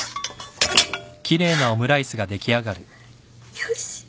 よし。